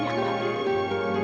anda puedan berjaya